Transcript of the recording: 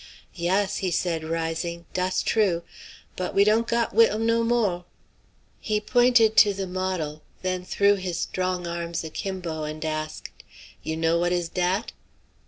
"Yass," he said, rising, "dass true. But we dawn't got whittle no mo'." He pointed to the model, then threw his strong arms akimbo and asked, "You know what is dat?"